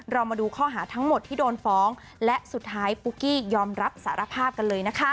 เรามาดูข้อหาทั้งหมดที่โดนฟ้องและสุดท้ายปุ๊กกี้ยอมรับสารภาพกันเลยนะคะ